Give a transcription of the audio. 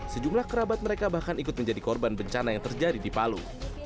sejumlah kerabat mereka bahkan ikut menjadi korban bencana yang terjadi di palu